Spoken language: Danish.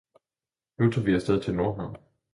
Nu tager vi afsted til Nordhavn